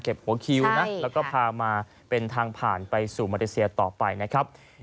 หัวคิวนะแล้วก็พามาเป็นทางผ่านไปสู่มาเลเซียต่อไปนะครับ